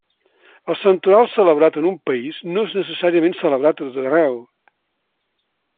El santoral celebrat en un país no és necessàriament celebrat a tot arreu.